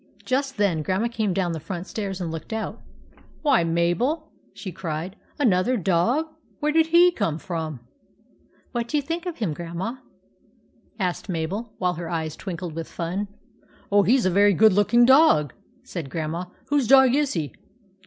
Just then Grandma came down the front stairs and looked out. "Why, Mabel!" she cried. " Another dog ? Where did he come from ?"" What do you think of him, Grandma ?" THE ROBBERS 45 asked Mabel, while her eyes twinkled with fun. " Oh, he 's a very good looking dog," said Grandma. " Whose dog is he